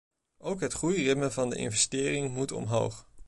Ook het groeiritme van de investeringen moet omhoog.